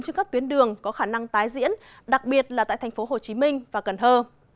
nhưng trên các tuyến đường có khả năng tái diễn đặc biệt là tại thành phố hồ chí minh và cần hơ